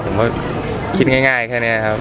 ผมก็คิดง่ายแค่นี้ครับ